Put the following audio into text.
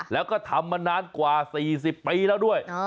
แล้วก็ทำมานานกว่า๔๐ปีแล้วด้วย